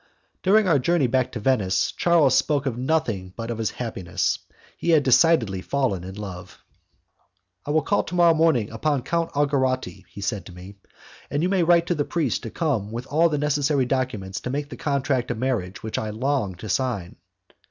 During our journey back to Venice Charles spoke of nothing but of his happiness. He had decidedly fallen in love. "I will call to morrow morning upon Count Algarotti," he said to me, "and you may write to the priest to come with all the necessary documents to make the contract of marriage which I long to sign."